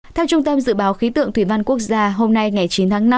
theo trung tâm dự báo khí tượng thủy văn quốc gia hôm nay ngày chín tháng năm